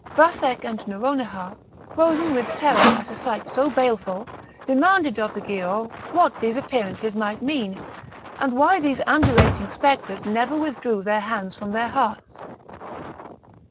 Vathek and Nouronihar, frozen with terror at a sight so baleful, demanded of the Giaour what these appearances might mean, and why these ambulating spectres never withdrew their hands from their hearts.